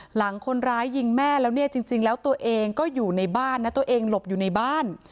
หลังคนร้ายยิงแม่แล้วเนี่ยจริงแล้วตัวเองก็อยู่ในบ้านนะตัวเองหลบอยู่ในบ้าน